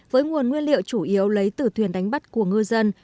với nguồn nguyên liệu chủ yếu lấy từ thuyền đánh bắt của ngư dân